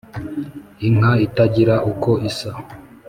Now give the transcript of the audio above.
inka itagira uko isa